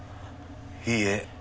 いいえ。